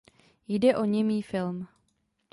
Jde o němý film.